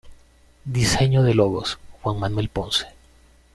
Diseño de logos: Juan Manuel Ponce.